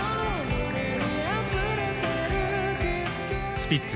スピッツ